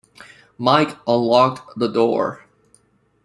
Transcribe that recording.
Mike unlocked the door.